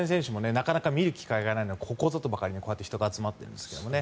なかなか見る機会がないのでここぞとばかりにこうやって人が集まっているんですけどね。